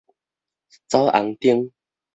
走紅燈